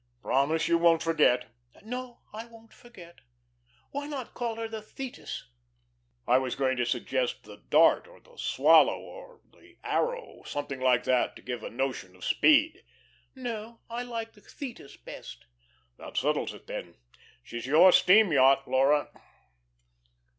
Promise you won't forget." "No, I won't forget. Why not call her the 'Thetis'?" "I was going to suggest the 'Dart,' or the 'Swallow,' or the 'Arrow.' Something like that to give a notion of speed." "No. I like the 'Thetis' best." "That settles it then. She's your steam yacht, Laura."